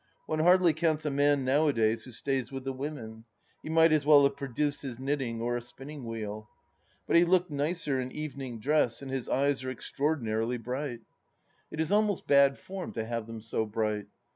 One hardly counts a man nowadays who stays with the women ; he might as well have produced his knitting or a spinning wheel. But he looked nicer m evening dress, and his eyes are extraordinarily bright. 208 THE LAST DITCH It is almost bad form to have them so bright.